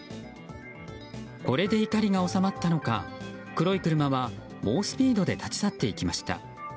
これで怒りが収まったのか黒い車は猛スピードで立ち去っていきました。